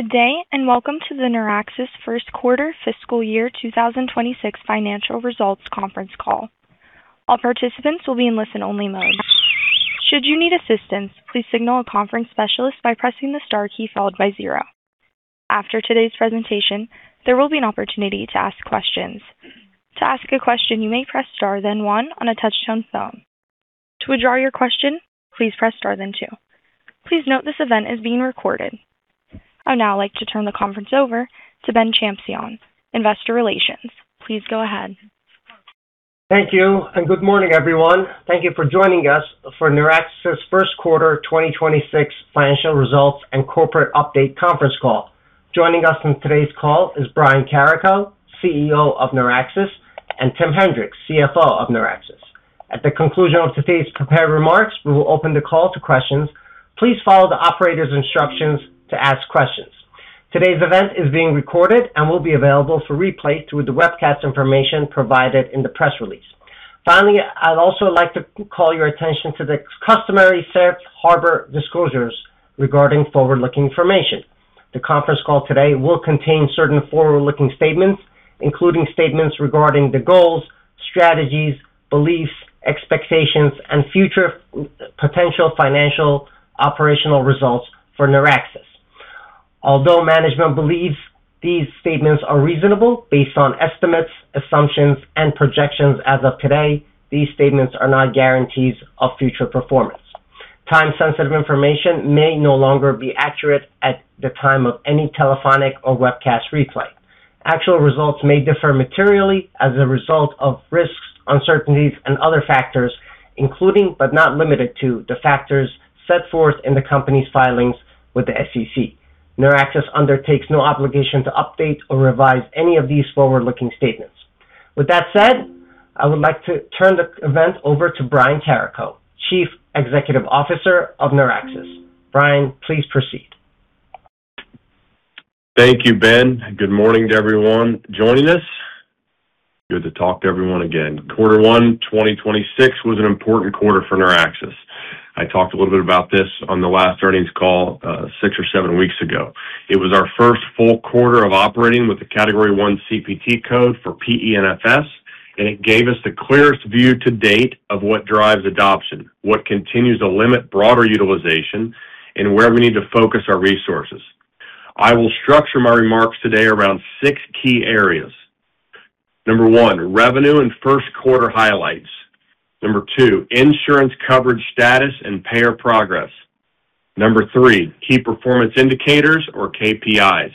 Good day, and welcome to the NeurAxis first quarter fiscal year 2026 financial results conference call. All participants will be in listen-only mode. Should you need assistance, please signal a conference specialist by pressing the star key followed by zero. After today's presentation, there will be an opportunity to ask questions. To ask a question, you may press star then one on a touch-tone phone. To withdraw your question, please press star then two. Please note this event is being recorded. I'd now like to turn the conference over to Ben Shamsian, Investor Relations. Please go ahead. Thank you and good morning, everyone. Thank you for joining us for NeurAxis' 1st quarter 2026 financial results and corporate update conference call. Joining us on today's call is Brian Carrico, CEO of NeurAxis, and Timothy Henrichs, CFO of NeurAxis. At the conclusion of today's prepared remarks, we will open the call to questions. Please follow the operator's instructions to ask questions. Today's event is being recorded and will be available for replay through the webcast information provided in the press release. Finally, I'd also like to call your attention to the customary safe harbor disclosures regarding forward-looking information. The conference call today will contain certain forward-looking statements, including statements regarding the goals, strategies, beliefs, expectations, and future potential financial operational results for NeurAxis. Although management believes these statements are reasonable based on estimates, assumptions, and projections as of today, these statements are not guarantees of future performance. Time-sensitive information may no longer be accurate at the time of any telephonic or webcast replay. Actual results may differ materially as a result of risks, uncertainties, and other factors, including but not limited to the factors set forth in the company's filings with the SEC. NeurAxis undertakes no obligation to update or revise any of these forward-looking statements. With that said, I would like to turn the event over to Brian Carrico, Chief Executive Officer of NeurAxis. Brian, please proceed Thank you, Ben. Good morning to everyone joining us. Good to talk to everyone again. Q1 2026 was an important quarter for NeurAxis. I talked a little bit about this on the last earnings call, six or seven weeks ago. It was our first full quarter of operating with the category one CPT code for PENFS, and it gave us the clearest view to date of what drives adoption, what continues to limit broader utilization, and where we need to focus our resources. I will structure my remarks today around six key areas: Number 1, revenue and first quarter highlights. Number 2, insurance coverage status and payer progress. Number 3, key performance indicators or KPIs.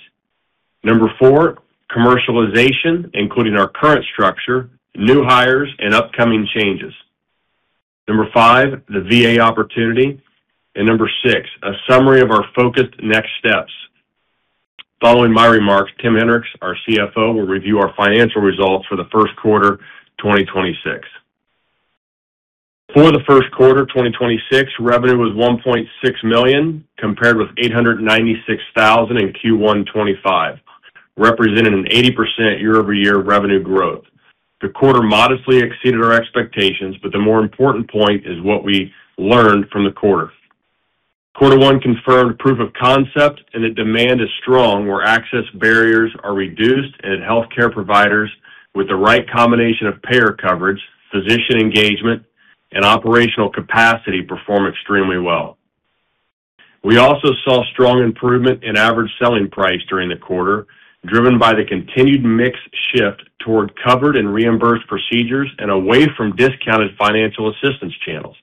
Number 4, commercialization, including our current structure, new hires, and upcoming changes. Number 5, the VA opportunity. Number 6, a summary of our focused next steps. Following my remarks, Timothy Henrichs, our CFO, will review our financial results for the first quarter 2026. For the first quarter 2026, revenue was $1.6 million, compared with $896,000 in Q1 2025, representing an 80% year-over-year revenue growth. The quarter modestly exceeded our expectations, but the more important point is what we learned from the quarter. quarter one confirmed proof of concept and that demand is strong where access barriers are reduced and healthcare providers with the right combination of payer coverage, physician engagement, and operational capacity perform extremely well. We also saw strong improvement in average selling price during the quarter, driven by the continued mix shift toward covered and reimbursed procedures and away from discounted financial assistance channels.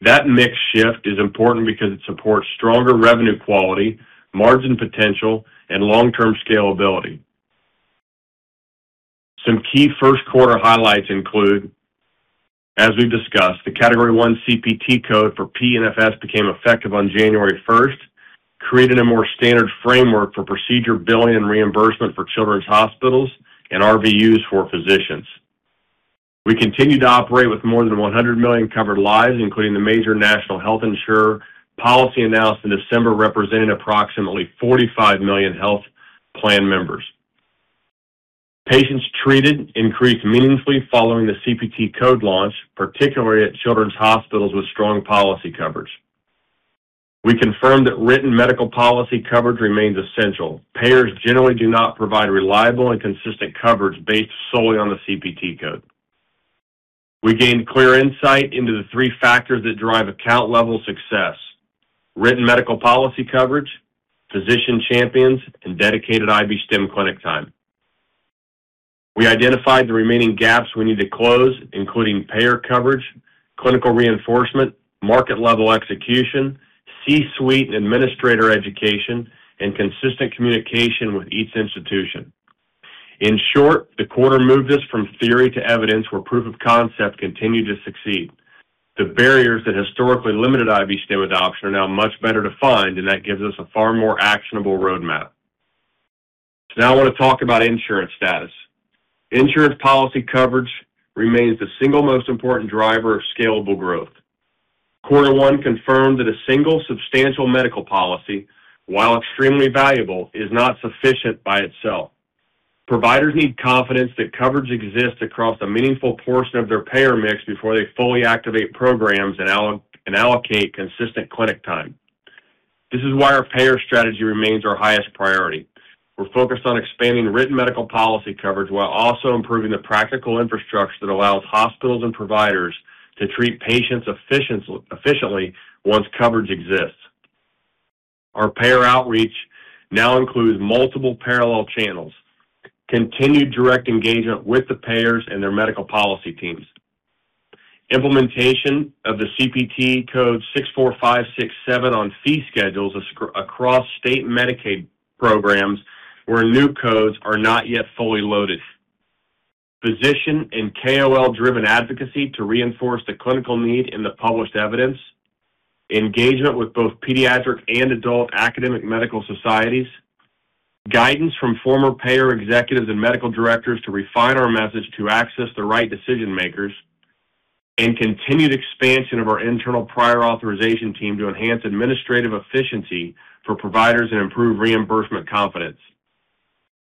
That mix shift is important because it supports stronger revenue quality, margin potential, and long-term scalability. Some key first quarter highlights include, as we've discussed, the Category one CPT code for PENFS became effective on January first, creating a more standard framework for procedure billing and reimbursement for children's hospitals and RVUs for physicians. We continue to operate with more than 100 million covered lives, including the major national health insurer policy announced in December, representing approximately 45 million health plan members. Patients treated increased meaningfully following the CPT code launch, particularly at children's hospitals with strong policy coverage. We confirmed that written medical policy coverage remains essential. Payers generally do not provide reliable and consistent coverage based solely on the CPT code. We gained clear insight into the three factors that drive account-level success, written medical policy coverage, physician champions, and dedicated IB-Stim clinic time. We identified the remaining gaps we need to close, including payer coverage, clinical reinforcement, market-level execution, C-suite and administrator education, and consistent communication with each institution. In short, the quarter moved us from theory to evidence where proof of concept continued to succeed. The barriers that historically limited IB-Stim adoption are now much better defined. That gives us a far more actionable roadmap. Now I want to talk about insurance status. Insurance policy coverage remains the single most important driver of scalable growth. Quarter one confirmed that a single substantial medical policy, while extremely valuable, is not sufficient by itself. Providers need confidence that coverage exists across a meaningful portion of their payer mix before they fully activate programs and allocate consistent clinic time. This is why our payer strategy remains our highest priority. We're focused on expanding written medical policy coverage while also improving the practical infrastructure that allows hospitals and providers to treat patients efficiently once coverage exists. Our payer outreach now includes multiple parallel channels, continued direct engagement with the payers and their medical policy teams. Implementation of the CPT code 64567 on fee schedules across state Medicaid programs where new codes are not yet fully loaded. Physician and KOL-driven advocacy to reinforce the clinical need in the published evidence. Engagement with both pediatric and adult academic medical societies. Guidance from former payer executives and medical directors to refine our message to access the right decision-makers. Continued expansion of our internal prior authorization team to enhance administrative efficiency for providers and improve reimbursement confidence.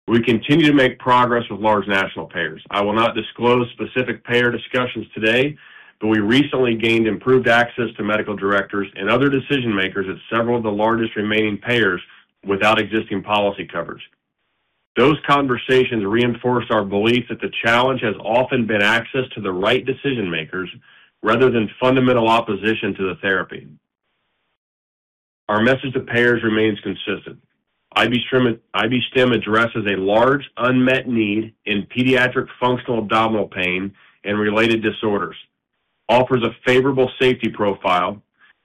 We continue to make progress with large national payers. I will not disclose specific payer discussions today. We recently gained improved access to medical directors and other decision-makers at several of the largest remaining payers without existing policy coverage. Those conversations reinforce our belief that the challenge has often been access to the right decision-makers rather than fundamental opposition to the therapy. Our message to payers remains consistent. IB-Stim addresses a large unmet need in pediatric functional abdominal pain and related disorders, offers a favorable safety profile,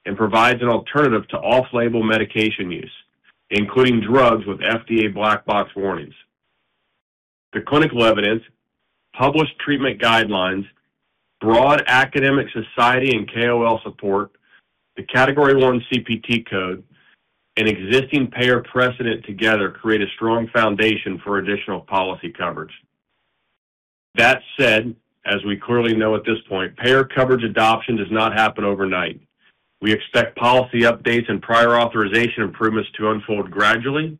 and provides an alternative to off-label medication use, including drugs with FDA black box warnings. The clinical evidence, published treatment guidelines, broad academic society and KOL support, the Category one CPT code, and existing payer precedent together create a strong foundation for additional policy coverage. That said, as we clearly know at this point, payer coverage adoption does not happen overnight. We expect policy updates and prior authorization improvements to unfold gradually.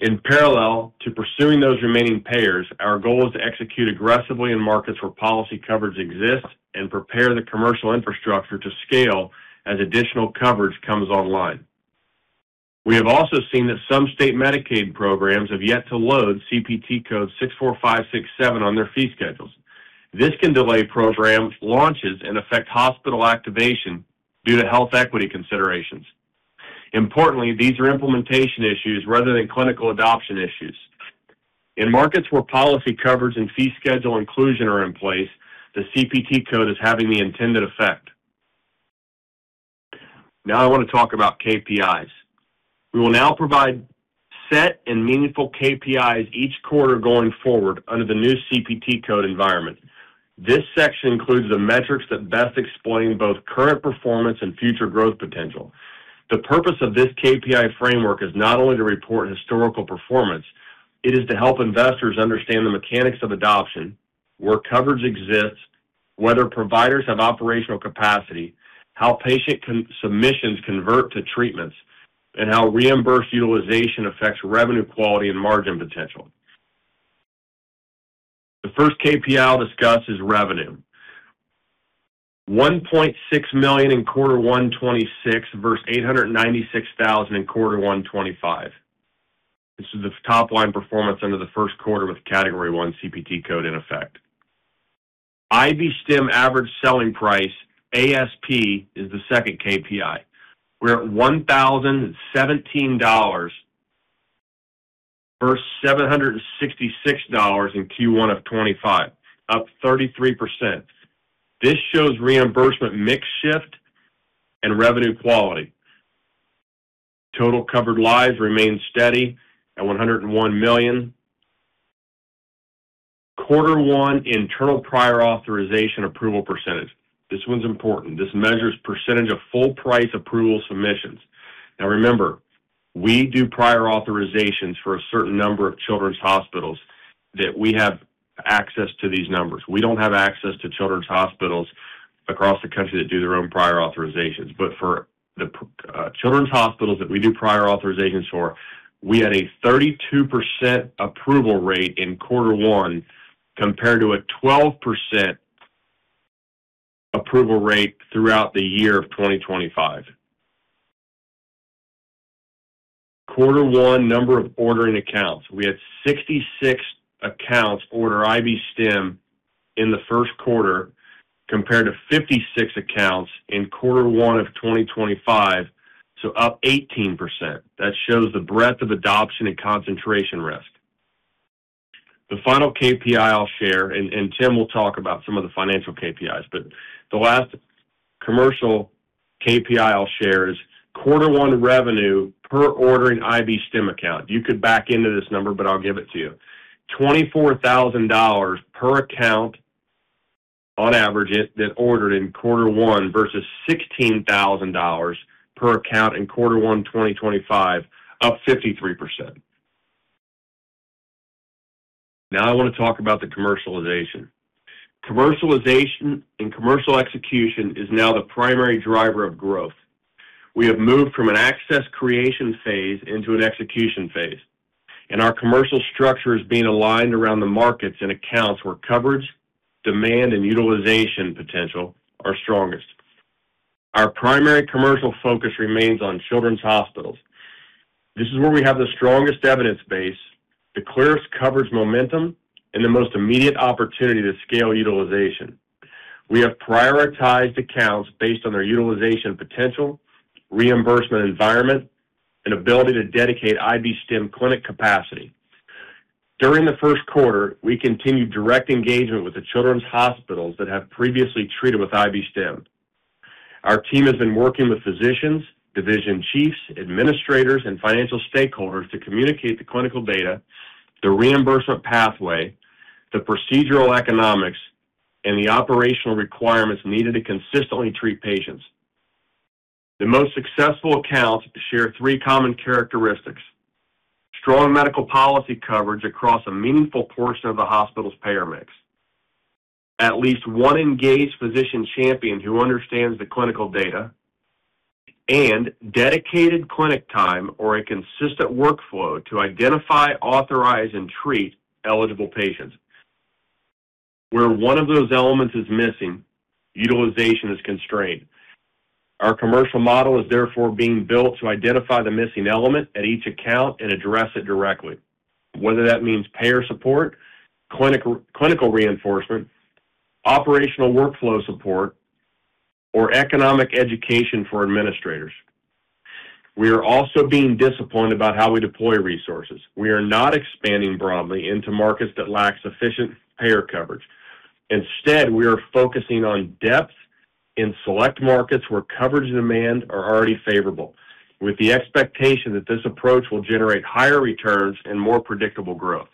In parallel to pursuing those remaining payers, our goal is to execute aggressively in markets where policy coverage exists and prepare the commercial infrastructure to scale as additional coverage comes online. We have also seen that some state Medicaid programs have yet to load CPT code 64567 on their fee schedules. This can delay program launches and affect hospital activation due to health equity considerations. Importantly, these are implementation issues rather than clinical adoption issues. In markets where policy coverage and fee schedule inclusion are in place, the CPT code is having the intended effect. Now I want to talk about KPIs. We will now provide set and meaningful KPIs each quarter going forward under the new CPT code environment. This section includes the metrics that best explain both current performance and future growth potential. The purpose of this KPI framework is not only to report historical performance, it is to help investors understand the mechanics of adoption, where coverage exists, whether providers have operational capacity, how patient submissions convert to treatments, and how reimbursed utilization affects revenue quality and margin potential. The first KPI I'll discuss is revenue. $1.6 million in quarter one 2026 versus $896,000 in quarter one 2025. This is the top-line performance under the first quarter with Category one CPT code in effect. IB-Stim average selling price, ASP, is the second KPI. We're at $1,017 versus $766 in Q1 2025, up 33%. This shows reimbursement mix shift and revenue quality. Total covered lives remain steady at 101 million. Quarter one internal prior authorization approval percentage. This one's important. This measures percentage of full price approval submissions. Remember, we do prior authorizations for a certain number of children's hospitals that we have access to these numbers. We don't have access to children's hospitals across the country that do their own prior authorizations. For the children's hospitals that we do prior authorizations for, we had a 32% approval rate in Q1 compared to a 12% approval rate throughout the year of 2025. Q1 number of ordering accounts. We had 66 accounts order IB-Stim in the first quarter compared to 56 accounts in Q1 of 2025, so up 18%. That shows the breadth of adoption and concentration risk. The final KPI I'll share, Tim will talk about some of the financial KPIs, the last commercial KPI I'll share is Q1 revenue per ordering IB-Stim account. You could back into this number, but I'll give it to you. $24,000 per account on average that ordered in quarter one versus $16,000 per account in quarter one 2025, up 53%. Now I want to talk about the commercialization. Commercialization and commercial execution is now the primary driver of growth. We have moved from an access creation phase into an execution phase, and our commercial structure is being aligned around the markets and accounts where coverage, demand, and utilization potential are strongest. Our primary commercial focus remains on children's hospitals. This is where we have the strongest evidence base, the clearest coverage momentum, and the most immediate opportunity to scale utilization. We have prioritized accounts based on their utilization potential, reimbursement environment, and ability to dedicate IB-Stim clinic capacity. During the first quarter, we continued direct engagement with the children's hospitals that have previously treated with IB-Stim. Our team has been working with physicians, division chiefs, administrators, and financial stakeholders to communicate the clinical data, the reimbursement pathway, the procedural economics, and the operational requirements needed to consistently treat patients. The most successful accounts share three common characteristics: strong medical policy coverage across a meaningful portion of the hospital's payer mix, at least one engaged physician champion who understands the clinical data, and dedicated clinic time or a consistent workflow to identify, authorize, and treat eligible patients. Where one of those elements is missing, utilization is constrained. Our commercial model is therefore being built to identify the missing element at each account and address it directly, whether that means payer support, clinical reinforcement, operational workflow support, or economic education for administrators. We are also being disciplined about how we deploy resources. We are not expanding broadly into markets that lack sufficient payer coverage. Instead, we are focusing on depth in select markets where coverage and demand are already favorable, with the expectation that this approach will generate higher returns and more predictable growth.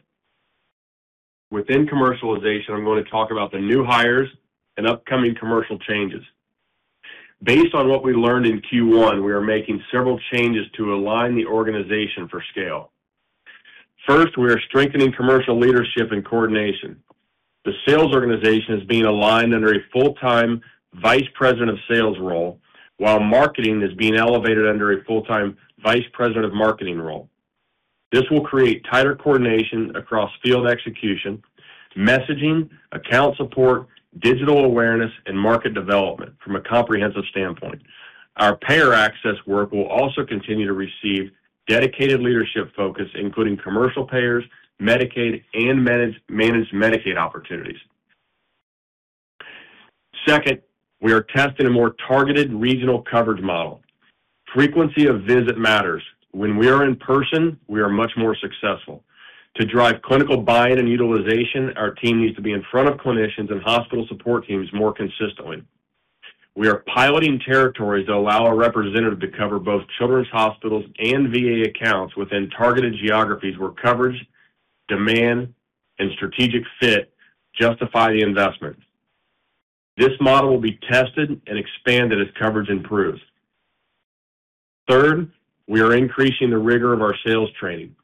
Within commercialization, I'm going to talk about the new hires and upcoming commercial changes. Based on what we learned in Q1, we are making several changes to align the organization for scale. First, we are strengthening commercial leadership and coordination. The sales organization is being aligned under a full-time Vice President of Sales role, while marketing is being elevated under a full-time Vice President of Marketing role. This will create tighter coordination across field execution, messaging, account support, digital awareness, and market development from a comprehensive standpoint. Our payer access work will also continue to receive dedicated leadership focus, including commercial payers, Medicaid, and managed Medicaid opportunities. Second, we are testing a more targeted regional coverage model. Frequency of visit matters. When we are in person, we are much more successful. To drive clinical buy-in and utilization, our team needs to be in front of clinicians and hospital support teams more consistently. We are piloting territories that allow a representative to cover both children's hospitals and VA accounts within targeted geographies where coverage, demand, and strategic fit justify the investment. This model will be tested and expanded as coverage improves. Third, we are increasing the rigor of our sales training.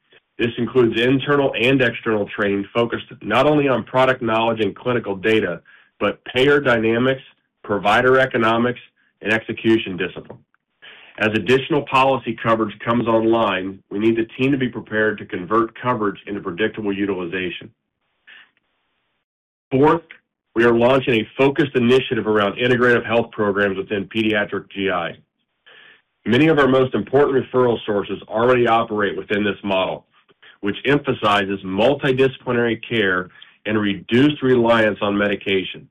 This includes internal and external training focused not only on product knowledge and clinical data, but payer dynamics, provider economics, and execution discipline. As additional policy coverage comes online, we need the team to be prepared to convert coverage into predictable utilization. Fourth, we are launching a focused initiative around integrative health programs within pediatric GI. Many of our most important referral sources already operate within this model, which emphasizes multidisciplinary care and reduced reliance on medication.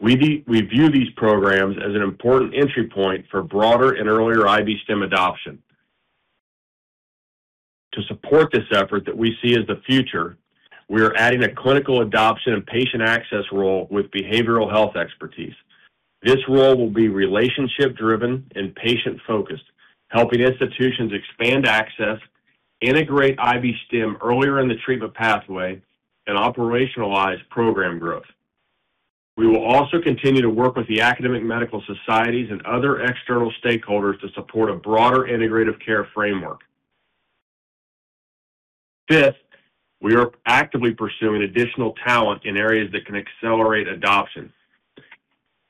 We view these programs as an important entry point for broader and earlier IB-Stim adoption. To support this effort that we see as the future, we are adding a clinical adoption and patient access role with behavioral health expertise. This role will be relationship-driven and patient-focused, helping institutions expand access, integrate IB-Stim earlier in the treatment pathway, and operationalize program growth. We will also continue to work with the academic medical societies and other external stakeholders to support a broader integrative care framework. Fifth, we are actively pursuing additional talent in areas that can accelerate adoption,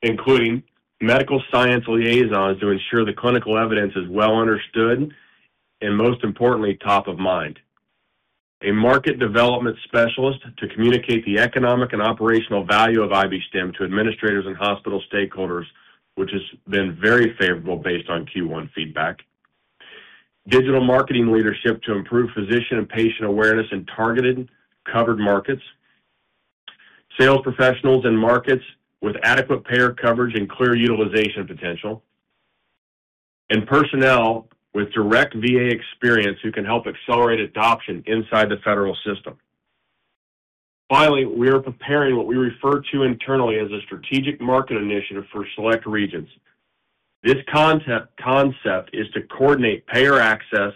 including medical science liaisons to ensure the clinical evidence is well understood and most importantly, top of mind. A market development specialist to communicate the economic and operational value of IB-Stim to administrators and hospital stakeholders, which has been very favorable based on Q1 feedback. Digital marketing leadership to improve physician and patient awareness in targeted covered markets. Sales professionals in markets with adequate payer coverage and clear utilization potential. Personnel with direct VA experience who can help accelerate adoption inside the federal system. Finally, we are preparing what we refer to internally as a strategic market initiative for select regions. This concept is to coordinate payer access,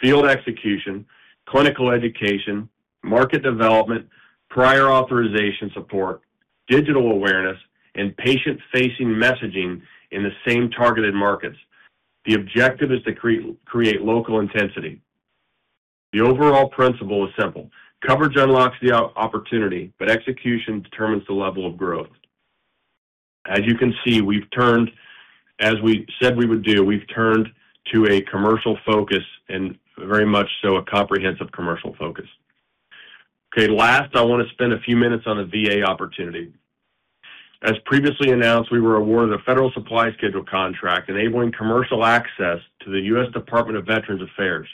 field execution, clinical education, market development, prior authorization support, digital awareness, and patient-facing messaging in the same targeted markets. The objective is to create local intensity. The overall principle is simple. Coverage unlocks the opportunity, but execution determines the level of growth. As you can see, we've turned as we said we would do, we've turned to a commercial focus and very much so a comprehensive commercial focus. Okay. Last, I want to spend a few minutes on the VA opportunity. As previously announced, we were awarded a Federal Supply Schedule contract enabling commercial access to the U.S. Department of Veterans Affairs.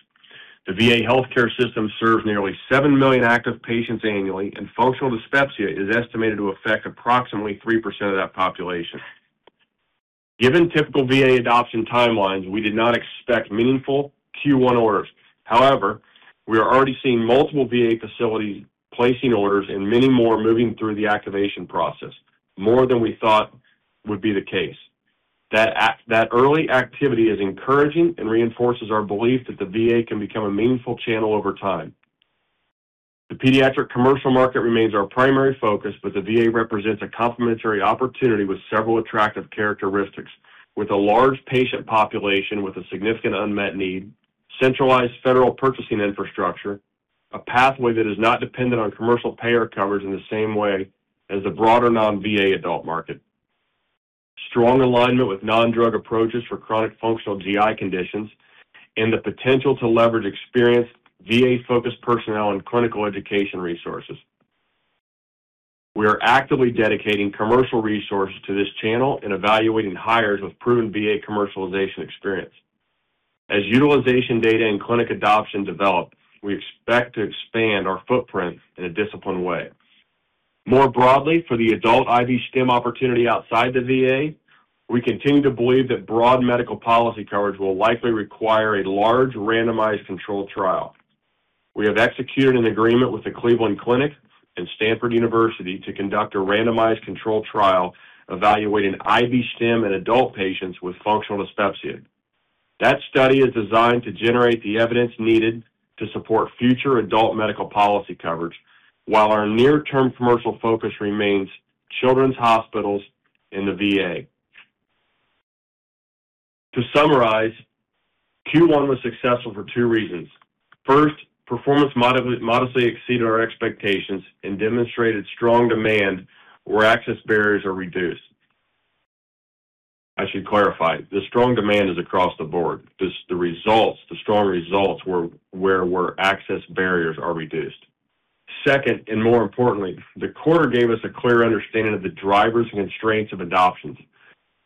The VA healthcare system serves nearly 7 million active patients annually, and functional dyspepsia is estimated to affect approximately 3% of that population. Given typical VA adoption timelines, we did not expect meaningful Q1 orders. However, we are already seeing multiple VA facilities placing orders and many more moving through the activation process, more than we thought would be the case. That early activity is encouraging and reinforces our belief that the VA can become a meaningful channel over time. The pediatric commercial market remains our primary focus, but the VA represents a complementary opportunity with several attractive characteristics. With a large patient population with a significant unmet need, centralized federal purchasing infrastructure, a pathway that is not dependent on commercial payer coverage in the same way as the broader non-VA adult market. Strong alignment with non-drug approaches for chronic functional GI conditions and the potential to leverage experienced VA-focused personnel and clinical education resources. We are actively dedicating commercial resources to this channel and evaluating hires with proven VA commercialization experience. As utilization data and clinic adoption develop, we expect to expand our footprint in a disciplined way. More broadly, for the adult IB-Stim opportunity outside the VA, we continue to believe that broad medical policy coverage will likely require a large randomized controlled trial. We have executed an agreement with the Cleveland Clinic and Stanford University to conduct a randomized controlled trial evaluating IB-Stim in adult patients with functional dyspepsia. That study is designed to generate the evidence needed to support future adult medical policy coverage while our near-term commercial focus remains children's hospitals in the VA. To summarize, Q1 was successful for two reasons. First, performance modestly exceeded our expectations and demonstrated strong demand where access barriers are reduced. I should clarify, the results, the strong results were where access barriers are reduced. Second, and more importantly, the quarter gave us a clear understanding of the drivers and constraints of adoptions.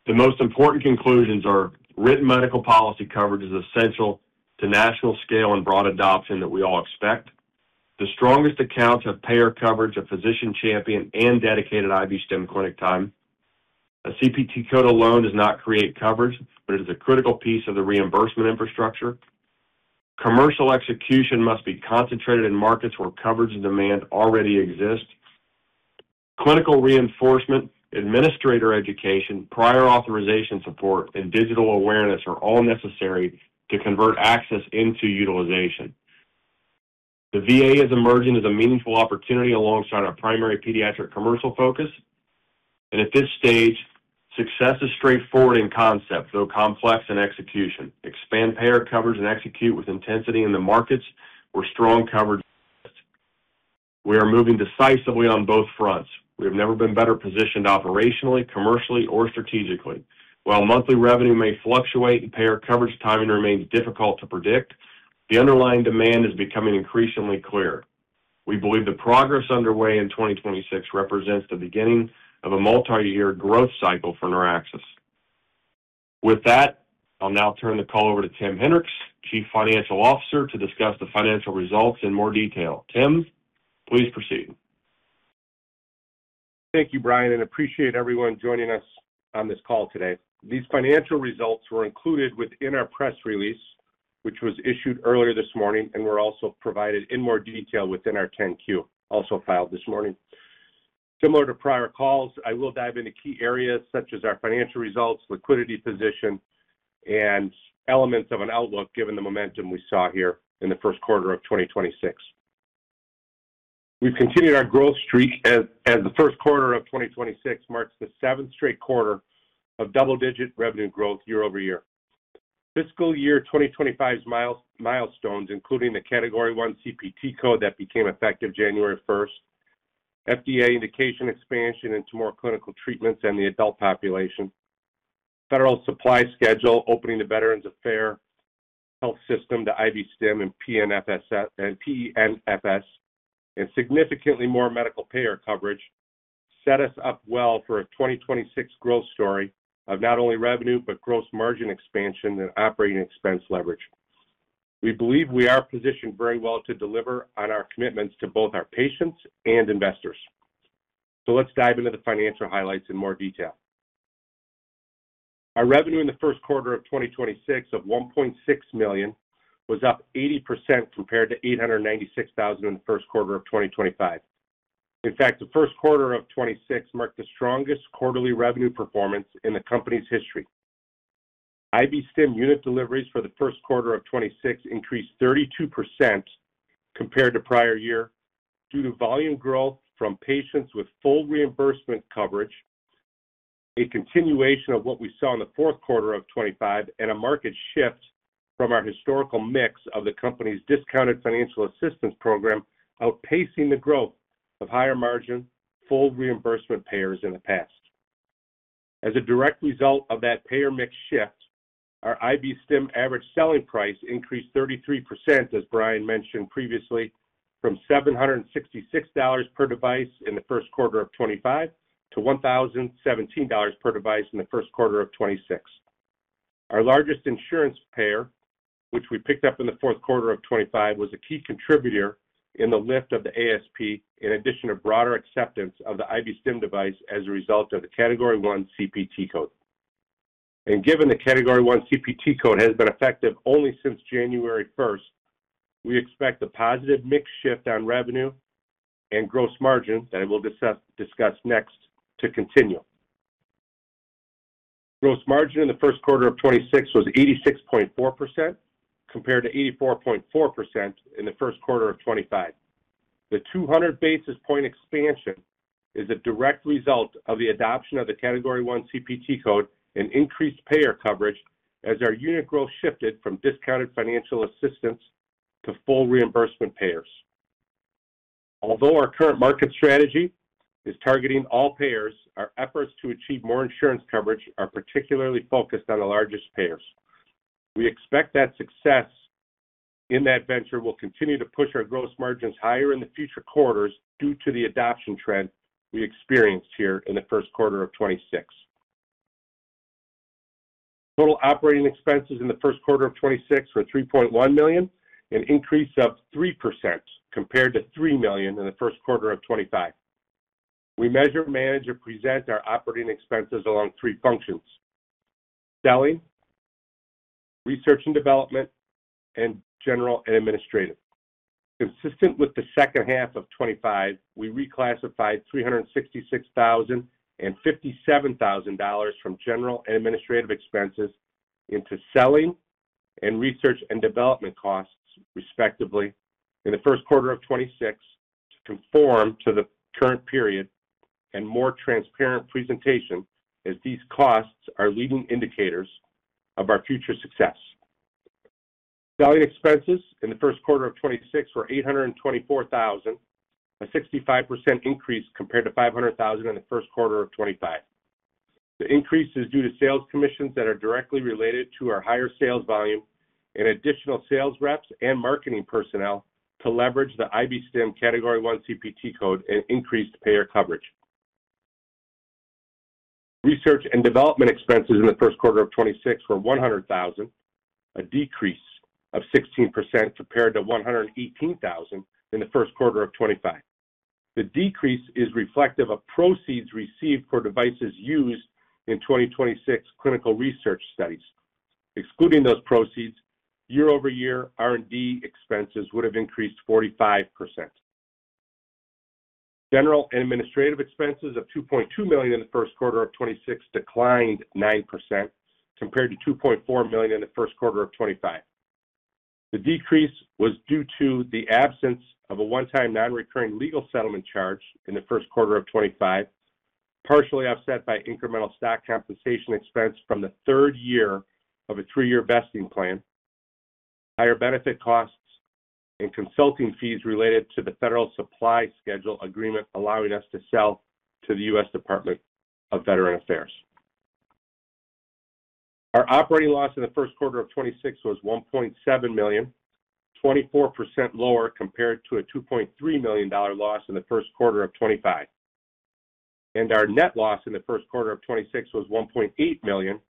The most important conclusions are written medical policy coverage is essential to national scale and broad adoption that we all expect. The strongest accounts have payer coverage, a physician champion, and dedicated IB-Stim clinic time. A CPT code alone does not create coverage, but it is a one critical piece of the reimbursement infrastructure. Commercial execution must be concentrated in markets where coverage and demand already exist. Clinical reinforcement, administrator education, prior authorization support, and digital awareness are all necessary to convert access into utilization. The VA is emerging as a meaningful opportunity alongside our primary pediatric commercial focus. At this stage, success is straightforward in concept, though complex in execution. Expand payer coverage and execute with intensity in the markets where strong coverage. We are moving decisively on both fronts. We have never been better positioned operationally, commercially, or strategically. While monthly revenue may fluctuate and payer coverage timing remains difficult to predict, the underlying demand is becoming increasingly clear. We believe the progress underway in 2026 represents the beginning of a multi-year growth cycle for NeurAxis. With that, I'll now turn the call over to Timothy Henrichs, Chief Financial Officer, to discuss the financial results in more detail. Tim, please proceed. Thank you, Brian. Appreciate everyone joining us on this call today. These financial results were included within our press release, which was issued earlier this morning and were also provided in more detail within our 10-Q, also filed this morning. Similar to prior calls, I will dive into key areas such as our financial results, liquidity position, and elements of an outlook, given the momentum we saw here in the first quarter of 2026. We've continued our growth streak as the first quarter of 2026 marks the seventh straight quarter of double-digit revenue growth year-over-year. Fiscal year 2025's milestones, including the Category one CPT code that became effective January 1st, FDA indication expansion into more clinical treatments in the adult population, Federal Supply Schedule opening the Veterans Affairs Health System to IB-Stim and PENFS, and PENFS, and significantly more medical payer coverage set us up well for a 2026 growth story of not only revenue but gross margin expansion and operating expense leverage. We believe we are positioned very well to deliver on our commitments to both our patients and investors. Let's dive into the financial highlights in more detail. Our revenue in the first quarter of 2026 of $1.6 million was up 80% compared to $896,000 in the first quarter of 2025. In fact, the first quarter of 2026 marked the strongest quarterly revenue performance in the company's history. IB-Stim unit deliveries for the first quarter of 2026 increased 32% compared to prior year, due to volume growth from patients with full reimbursement coverage, a continuation of what we saw in the fourth quarter of 2025 and a market shift from our historical mix of the company's discounted financial assistance program outpacing the growth of higher margin full reimbursement payers in the past. As a direct result of that payer mix shift, our IB-Stim average selling price increased 33%, as Brian mentioned previously, from $766 per device in the first quarter of 2025 to $1,017 per device in the first quarter of 2026. Our largest insurance payer, which we picked up in the fourth quarter of 2025, was a key contributor in the lift of the ASP in addition to broader acceptance of the IB-Stim device as a result of the Category one CPT code. Given the Category one CPT code has been effective only since January 1st, we expect the positive mix shift on revenue and gross margin that I will discuss next to continue. Gross margin in the first quarter of 2026 was 86.4% compared to 84.4% in the first quarter of 2025. The 200 basis point expansion is a direct result of the adoption of the Category one CPT code and increased payer coverage as our unit growth shifted from discounted financial assistance to full reimbursement payers. Although our current market strategy is targeting all payers, our efforts to achieve more insurance coverage are particularly focused on the largest payers. We expect that success in that venture will continue to push our gross margins higher in the future quarters due to the adoption trend we experienced here in the first quarter of 2026. Total operating expenses in the first quarter of 2026 were $3.1 million, an increase of 3% compared to $3 million in the first quarter of 2025. We measure, manage, and present our operating expenses along three functions. Selling, research and development, and general and administrative. Consistent with the second half of 2025, we reclassified $366,000 and $57,000 from general and administrative expenses into selling and research and development costs, respectively, in the first quarter of 2026 to conform to the current period and more transparent presentation as these costs are leading indicators of our future success. Selling expenses in the first quarter of 2026 were $824,000, a 65% increase compared to $500,000 in the first quarter of 2025. The increase is due to sales commissions that are directly related to our higher sales volume and additional sales reps and marketing personnel to leverage the IB-Stim Category one CPT code and increased payer coverage. Research and development expenses in the first quarter of 2026 were $100,000, a decrease of 16% compared to $118,000 in the first quarter of 2025. The decrease is reflective of proceeds received for devices used in 2026 clinical research studies. Excluding those proceeds, year-over-year R&D expenses would have increased 45%. General and administrative expenses of $2.2 million in the first quarter of 2026 declined 9% compared to $2.4 million in the first quarter of 2025. The decrease was due to the absence of a one-time non-recurring legal settlement charge in the first quarter of 2025, partially offset by incremental stock compensation expense from the 3rd year of a 3-year vesting plan, higher benefit costs and consulting fees related to the Federal Supply Schedule agreement allowing us to sell to the U.S. Department of Veterans Affairs. Our operating loss in the first quarter of 2026 was $1.7 million, 24% lower compared to a $2.3 million loss in the first quarter of 2025. Our net loss in the first quarter of 2026 was $1.8 million,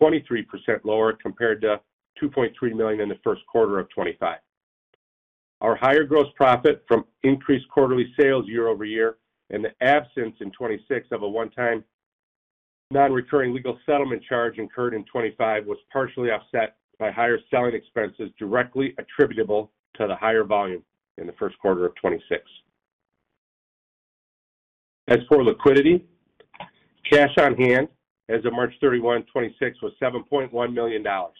23% lower compared to $2.3 million in the first quarter of 2025. Our higher gross profit from increased quarterly sales year-over-year and the absence in 2026 of a one-time non-recurring legal settlement charge incurred in 2025 was partially offset by higher selling expenses directly attributable to the higher volume in the first quarter of 2026. As for liquidity, cash on hand as of March 31, 2026 was $7.1 million. Our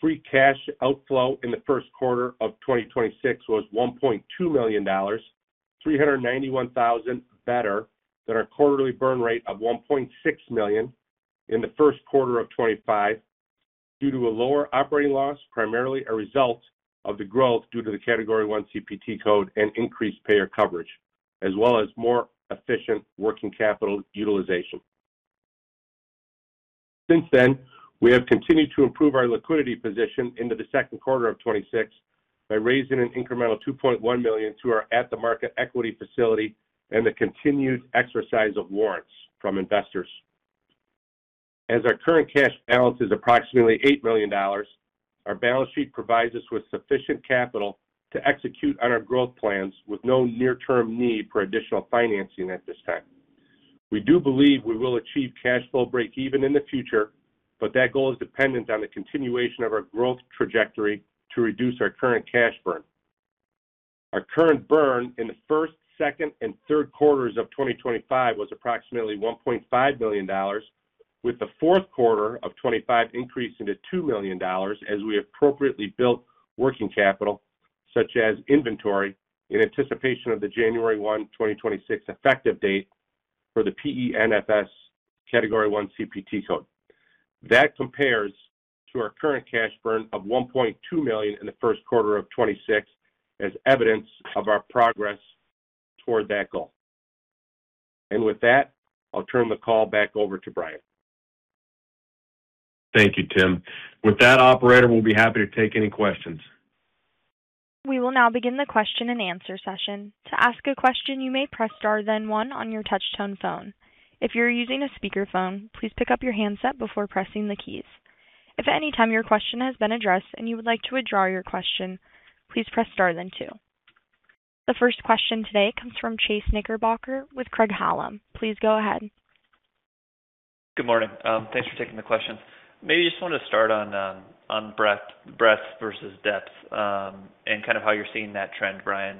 free cash outflow in the first quarter of 2026 was $1.2 million, $391,000 better than our quarterly burn rate of $1.6 million in the first quarter of 2025 due to a lower operating loss, primarily a result of the growth due to the Category one CPT code and increased payer coverage, as well as more efficient working capital utilization. Since then, we have continued to improve our liquidity position into the second quarter of 2026 by raising an incremental $2.1 million to our at-the-market equity facility and the continued exercise of warrants from investors. As our current cash balance is approximately $8 million, our balance sheet provides us with sufficient capital to execute on our growth plans with no near-term need for additional financing at this time. We do believe we will achieve cash flow break-even in the future, but that goal is dependent on the continuation of our growth trajectory to reduce our current cash burn. Our current burn in the first, second, and third quarters of 2025 was approximately $1.5 million, with the fourth quarter of 2025 increasing to $2 million as we appropriately built working capital, such as inventory, in anticipation of the January 1, 2026 effective date for the PENFS Category one CPT code. That compares to our current cash burn of $1.2 million in the first quarter of 2026 as evidence of our progress toward that goal. With that, I'll turn the call back over to Brian. Thank you, Tim. With that, operator, we'll be happy to take any questions. We will now begin the question-and-answer session. To ask a question, you may press star then 1 on your touch-tone phone. If you're using a speakerphone, please pick up your handset before pressing the keys. If at any time your question has been addressed and you would like to withdraw your question, please press star then two. The first question today comes from Chase Knickerbocker with Craig-Hallum. Please go ahead. Good morning. Thanks for taking the questions. Maybe just want to start on breadth versus depth, and kind of how you're seeing that trend, Brian.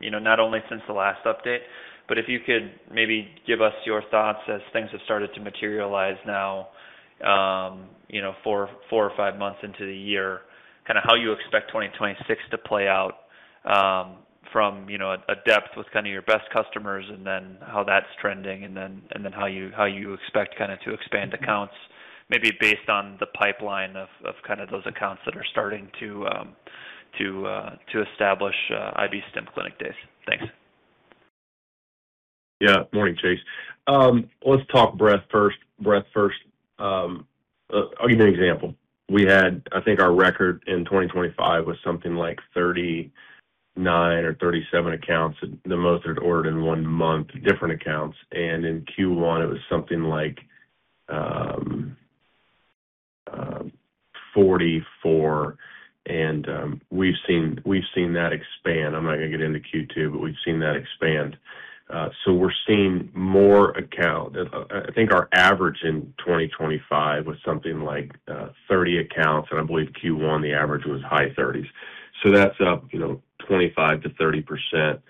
You know, not only since the last update, but if you could maybe give us your thoughts as things have started to materialize now, you know, four or five months into the year, kind of how you expect 2026 to play out from, you know, a depth with kind of your best customers and then how that's trending and then, and then how you, how you expect kinda to expand accounts maybe based on the pipeline of kinda those accounts that are starting to establish IB-Stim clinic days. Thanks. Morning, Chase Knickerbocker. Let's talk breadth first. I'll give you an example. We had I think our record in 2025 was something like 39 or 37 accounts, the most that had ordered in one month, different accounts. In Q1 it was something like 44 and we've seen that expand. I'm not gonna get into Q2, we've seen that expand. We're seeing more account I think our average in 2025 was something like 30 accounts, and I believe Q1, the average was high 30s. That's up, you know, 25%-30%.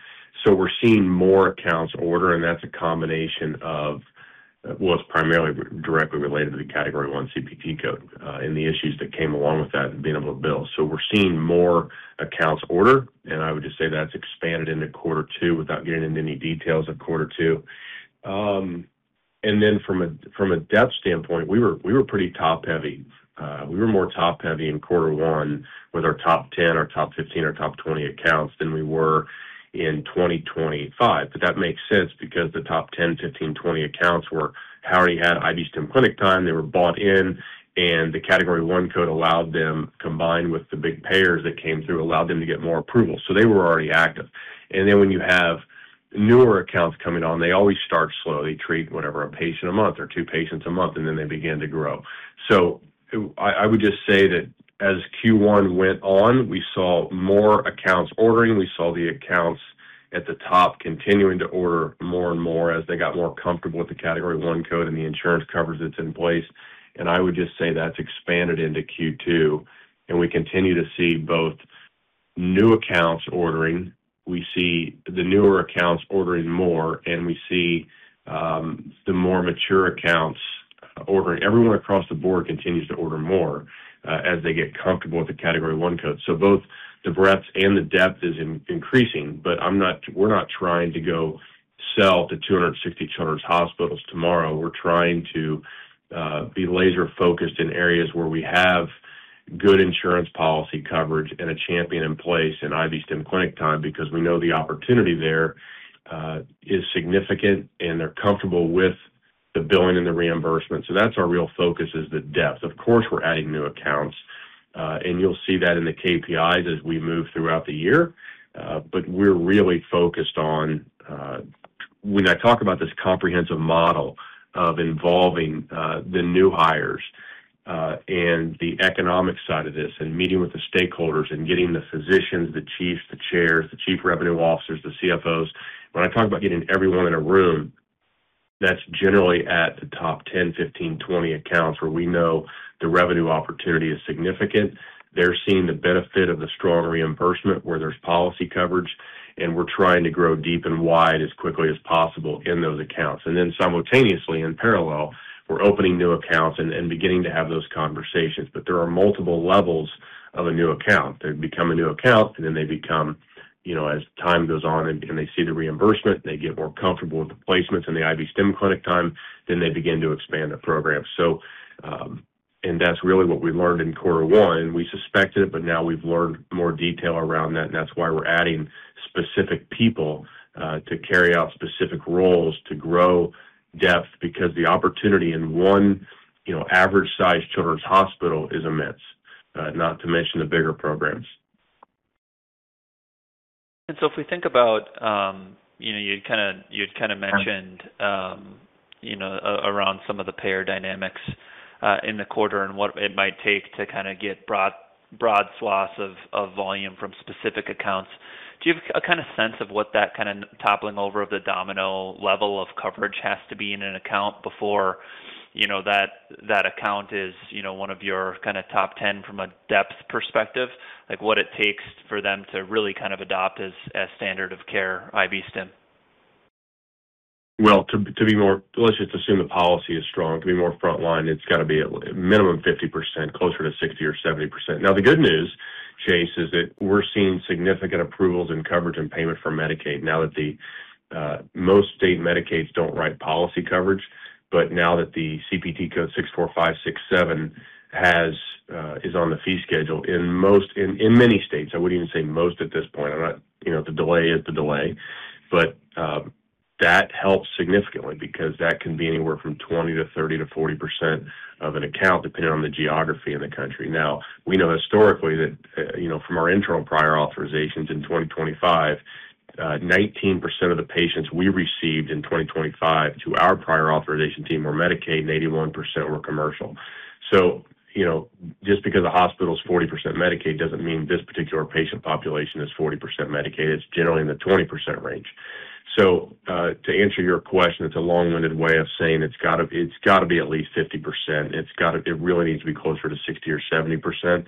We're seeing more accounts order, and that's a combination of Well, it's primarily directly related to the Category one CPT code and the issues that came along with that and being able to bill. We're seeing more accounts order, and I would just say that's expanded into quarter two without getting into any details of quarter two. From a depth standpoint, we were pretty top-heavy. We were more top-heavy in quarter one with our top 10, our top 15, our top 20 accounts than we were in 2025. That makes sense because the top 10, 15, 20 accounts were already had IB-Stim clinic time, they were bought in, and the Category one code allowed them, combined with the big payers that came through, allowed them to get more approval. They were already active. When you have newer accounts coming on, they always start slowly. They treat whatever, one patient a month or two patients a month, and then they begin to grow. I would just say that as Q1 went on, we saw more accounts ordering. We saw the accounts at the top continuing to order more and more as they got more comfortable with the Category one code and the insurance coverage that's in place. I would just say that's expanded into Q2. We continue to see both new accounts ordering. We see the newer accounts ordering more, and we see the more mature accounts ordering. Everyone across the board continues to order more as they get comfortable with the Category one code. Both the breadth and the depth is increasing, but we're not trying to go sell to 260 children's hospitals tomorrow. We're trying to be laser-focused in areas where we have good insurance policy coverage and a champion in place and IB-Stim clinic time because we know the opportunity there is significant and they're comfortable with the billing and the reimbursement. That's our real focus is the depth. Of course, we're adding new accounts, and you'll see that in the KPIs as we move throughout the year. We're really focused on When I talk about this comprehensive model of involving the new hires and the economic side of this and meeting with the stakeholders and getting the physicians, the chiefs, the chairs, the chief revenue officers, the CFOs. When I talk about getting everyone in a room, that's generally at the top 10, 15, 20 accounts where we know the revenue opportunity is significant. They're seeing the benefit of the strong reimbursement where there's policy coverage, and we're trying to grow deep and wide as quickly as possible in those accounts. Simultaneously, in parallel, we're opening new accounts and beginning to have those conversations. There are multiple levels of a new account. They become a new account, and then they become, you know, as time goes on and they see the reimbursement, they get more comfortable with the placements and the IB-Stim clinic time, then they begin to expand the program. That's really what we learned in Q1. We suspected it, now we've learned more detail around that, and that's why we're adding specific people to carry out specific roles to grow depth because the opportunity in one, you know, average-sized children's hospital is immense, not to mention the bigger programs. If we think about, you know, you kind of mentioned, you know, around some of the payer dynamics in the quarter and what it might take to kind of get broad swaths of volume from specific accounts. Do you have a kind of what that kind of toppling over of the domino level of coverage has to be in an account before, you know, that account is, you know, one of your kind of top 10 from a depth perspective. Like, what it takes for them to really kind of adopt as standard of care IB-Stim. Well, to be more Let's just assume the policy is strong. To be more frontline, it's got to be a minimum 50%, closer to 60% or 70%. The good news, Chase, is that we're seeing significant approvals in coverage and payment from Medicaid now that the Most state Medicaids don't write policy coverage, now that the CPT code 64567 has is on the fee schedule in many states, I wouldn't even say most at this point. You know, the delay is the delay. That helps significantly because that can be anywhere from 20% to 30% to 40% of an account, depending on the geography in the country. We know historically that, you know, from our internal prior authorizations in 2025, 19% of the patients we received in 2025 to our prior authorization team were Medicaid, and 81% were commercial. You know, just because a hospital is 40% Medicaid doesn't mean this particular patient population is 40% Medicaid. It's generally in the 20% range. To answer your question, it's a long-winded way of saying it's gotta be at least 50%. It really needs to be closer to 60% or 70%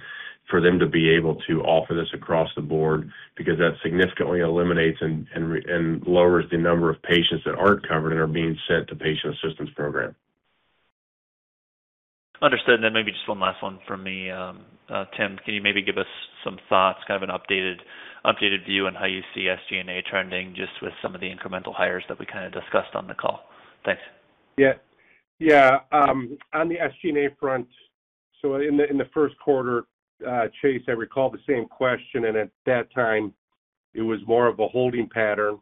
for them to be able to offer this across the board, because that significantly eliminates and lowers the number of patients that aren't covered and are being sent to patient assistance program. Understood. Maybe just one last one from me. Tim, can you maybe give us some thoughts, kind of an updated view on how you see SG&A trending just with some of the incremental hires that we kind of discussed on the call? Thanks. Yeah. Yeah. On the SG&A front, in the first quarter, Chase, I recall the same question, and at that time, it was more of a holding pattern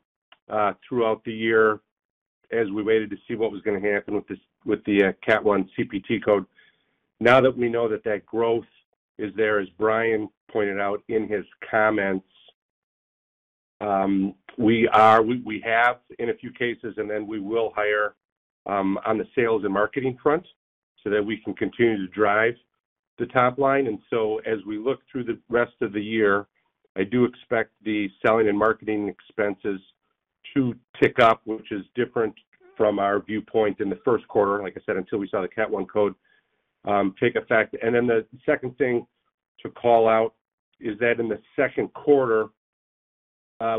throughout the year as we waited to see what was gonna happen with the cat one CPT code. Now that we know that that growth is there, as Brian pointed out in his comments, we have in a few cases, and then we will hire on the sales and marketing front so that we can continue to drive the top line. As we look through the rest of the year, I do expect the selling and marketing expenses to tick up, which is different from our viewpoint in the first quarter, like I said, until we saw the cat one code take effect. The second thing to call out is that in the second quarter,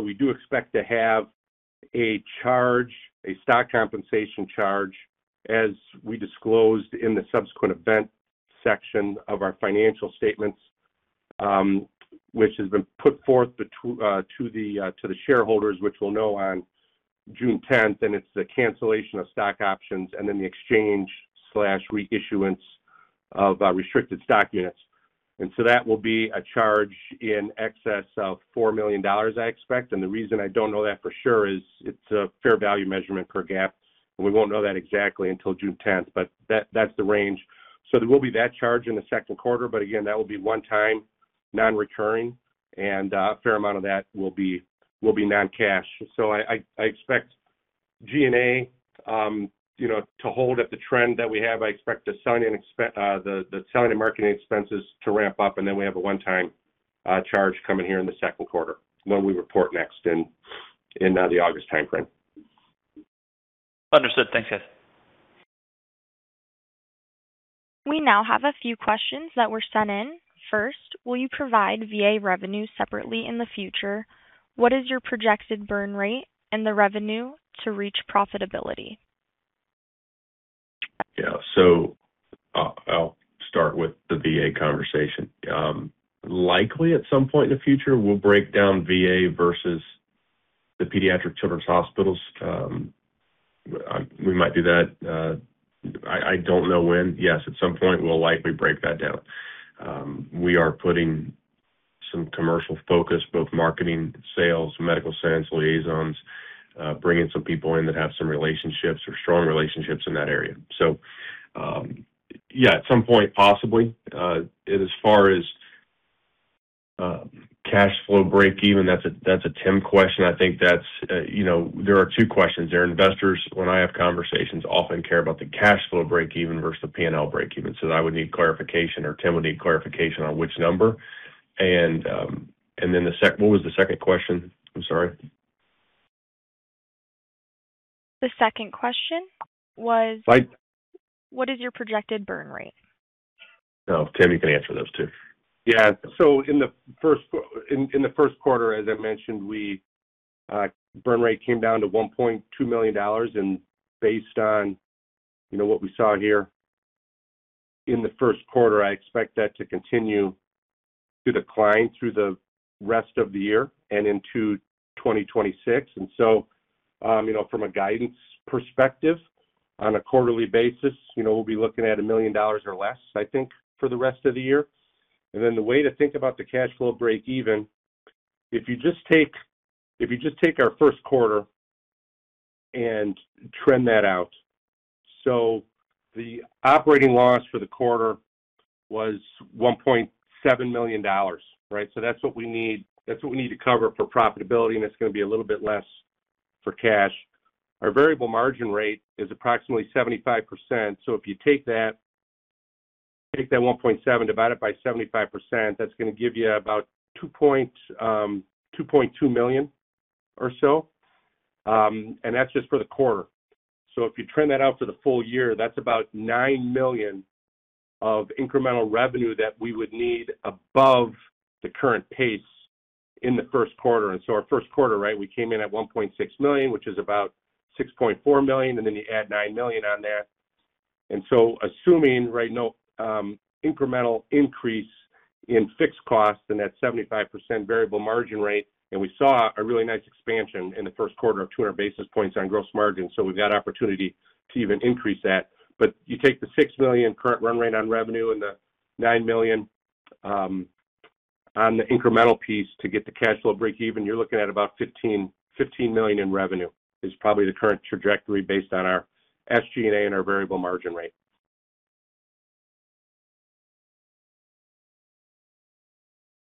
we do expect to have a charge, a stock compensation charge as we disclosed in the subsequent event section of our financial statements, which has been put forth to the shareholders, which we'll know on June 10th, and it's the cancellation of stock options and then the exchange/reissuance of restricted stock units. That will be a charge in excess of $4 million, I expect. The reason I don't know that for sure is it's a fair value measurement per GAAP. We won't know that exactly until June 10th, but that's the range. There will be that charge in the second quarter, but again, that will be one-time, non-recurring, and a fair amount of that will be non-cash. I expect G&A, you know, to hold at the trend that we have. I expect the selling and marketing expenses to ramp up. We have a one-time charge coming here in the second quarter when we report next in the August timeframe. Understood. Thanks, guys. We now have a few questions that were sent in. First, will you provide VA revenue separately in the future? What is your projected burn rate and the revenue to reach profitability? I'll start with the VA conversation. Likely at some point in the future, we'll break down VA versus the pediatric children's hospitals. We might do that. I don't know when. Yes, at some point, we'll likely break that down. We are putting some commercial focus, both marketing, sales, medical science liaisons, bringing some people in that have some relationships or strong relationships in that area. At some point, possibly. As far as cash flow break even, that's a Tim question. I think that's, you know There are two questions there. Investors, when I have conversations, often care about the cash flow break even versus the P&L break even. I would need clarification or Tim would need clarification on which number. What was the second question? I'm sorry. The second question was. Sorry. What is your projected burn rate? Oh, Tim, you can answer those two. Yeah. In the first quarter, as I mentioned, we burn rate came down to $1.2 million. Based on, you know, what we saw here in the first quarter, I expect that to continue to decline through the rest of the year and into 2026. From a guidance perspective, on a quarterly basis, you know, we'll be looking at $1 million or less, I think, for the rest of the year. The way to think about the cash flow break even, if you just take our first quarter and trend that out, so the operating loss for the quarter was $1.7 million, right? That's what we need, that's what we need to cover for profitability, and it's going to be a little bit less for cash. Our variable margin rate is approximately 75%. If you take that $1.7, divide it by 75%, that's gonna give you about $2.2 million or so. That's just for the quarter. If you trend that out for the full year, that's about $9 million of incremental revenue that we would need above the current pace in the first quarter. Our first quarter, right, we came in at $1.6 million, which is about $6.4 million, and then you add $9 million on there. Assuming, right, no incremental increase in fixed costs and that 75% variable margin rate, we saw a really nice expansion in the 1st quarter of 200 basis points on gross margin. We've got opportunity to even increase that. You take the $6 million current run rate on revenue and the $9 million on the incremental piece to get the cash flow break even, you're looking at about $15 million in revenue is probably the current trajectory based on our SG&A and our variable margin rate.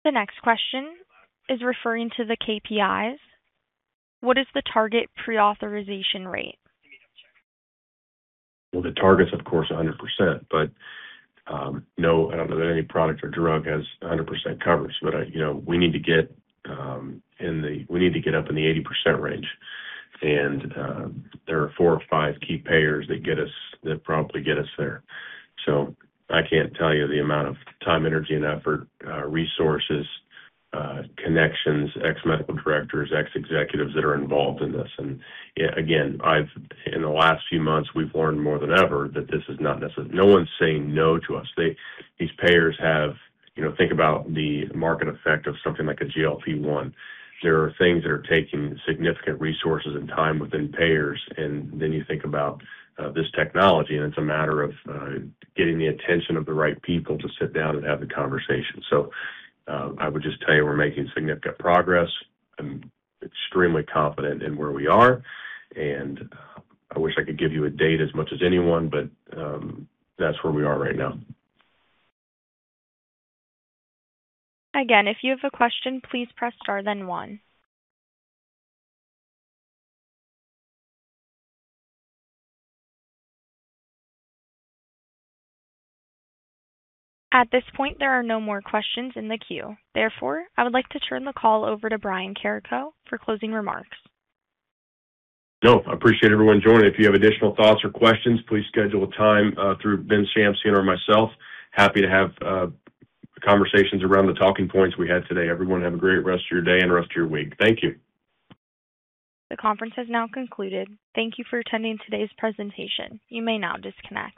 The next question is referring to the KPIs. What is the target pre-authorization rate? The target's of course 100%, but, no, I don't know that any product or drug has 100% coverage. You know, we need to get up in the 80% range. There are four or five key payers that promptly get us there. I can't tell you the amount of time, energy and effort, resources, connections, ex medical directors, ex executives that are involved in this. Again, in the last few months, we've learned more than ever that this is not necessarily No one's saying no to us. These payers have, you know, think about the market effect of something like a GLP-1. There are things that are taking significant resources and time within payers. Then you think about this technology, and it's a matter of getting the attention of the right people to sit down and have the conversation. I would just tell you we're making significant progress. I'm extremely confident in where we are, and I wish I could give you a date as much as anyone, that's where we are right now. Again, if you have a question, please press star then one. At this point, there are no more questions in the queue. Therefore, I would like to turn the call over to Brian Carrico for closing remarks. I appreciate everyone joining. If you have additional thoughts or questions, please schedule a time through Ben Shamsian or myself. Happy to have conversations around the talking points we had today. Everyone have a great rest of your day and rest of your week. Thank you. The conference has now concluded. Thank you for attending today's presentation. You may now disconnect.